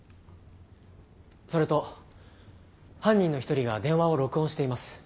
それと犯人の１人が電話を録音しています。